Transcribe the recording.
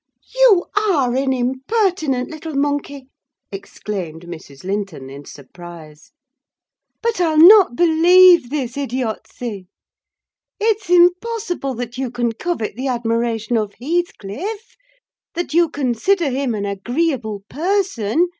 "You are an impertinent little monkey!" exclaimed Mrs. Linton, in surprise. "But I'll not believe this idiocy! It is impossible that you can covet the admiration of Heathcliff—that you consider him an agreeable person!